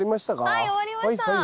はい終わりました。